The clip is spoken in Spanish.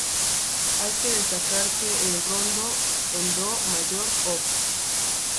Hay que destacar que el "Rondó en do mayor op.